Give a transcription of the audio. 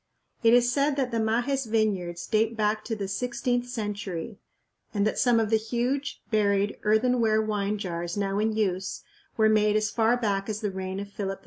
It is said that the Majes vineyards date back to the sixteenth century, and that some of the huge, buried, earthenware wine jars now in use were made as far back as the reign of Philip II.